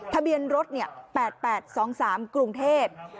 ทะเบียนรถ๘๘๒๓กรุงเทพฯ